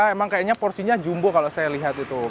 emang kayaknya porsinya jumbo kalau saya lihat itu